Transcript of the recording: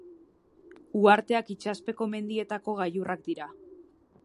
Uharteak itsaspeko mendietako gailurrak dira.